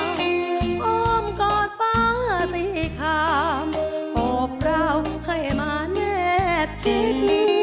พร้อมกอดฟ้าสีขามโอบเราให้มาแนบชิน